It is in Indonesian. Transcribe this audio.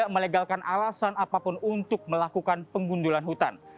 melegalkan alasan apapun untuk melakukan pengundulan hutan